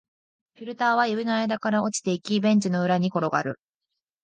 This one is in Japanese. フィルターは指の間から落ちていき、ベンチの裏に転がる